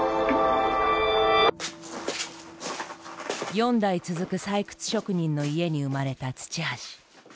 ４代続く採掘職人の家に生まれた土橋。